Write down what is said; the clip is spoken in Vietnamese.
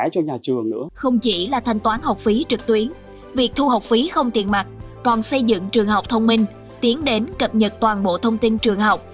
còn xây dựng trường học thông minh tiến đến cập nhật toàn bộ thông tin trường học